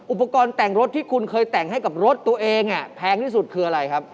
อุปกรณ์แต่งรถที่คุณเคยแต่งให้กับรถตัวเองแพงที่สุดคืออะไรครับ